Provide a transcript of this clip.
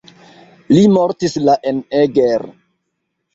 Li mortis la en Eger.